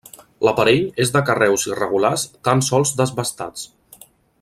L'aparell és de carreus irregulars tan sols desbastats.